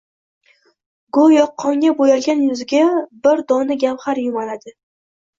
Go`yo qonga bo`yalgan yuziga bir dona gavhar yumaladi